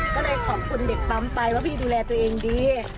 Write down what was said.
ก็เลยขอบคุณเด็กปั๊มไปว่าพี่ดูแลตัวเองดี